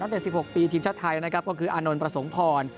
๑๖ปีทีมชาติไทยนะครับก็คืออานนท์ประสงค์พร